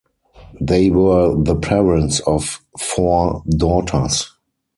They were the parents of four daughters.